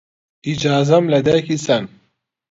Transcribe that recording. ئیجازەم لە دایکی سەن